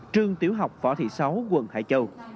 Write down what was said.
trường tiểu học phỏ thị sáu quận hải châu